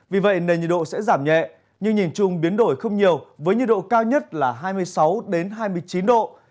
vì vậy nền nhiệt độ sẽ giảm nhẹ nhưng nhìn chung biến đổi không nhiều với nhiệt độ cao nhất là hai mươi sáu hai mươi chín độ